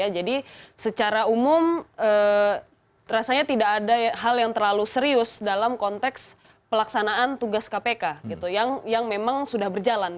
jadi secara umum rasanya tidak ada hal yang terlalu serius dalam konteks pelaksanaan tugas kpk yang memang sudah berjalan